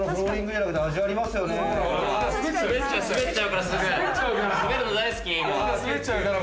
滑っちゃうから。